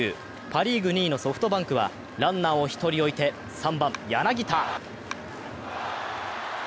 パ・リーグ２位のソフトバンクはランナーを１人置いて、３番・柳田。